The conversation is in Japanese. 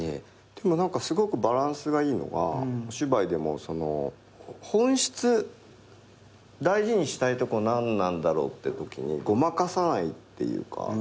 でも何かすごくバランスがいいのがお芝居でも本質大事にしたいとこ何なんだろう？ってときにごまかさないっていうか。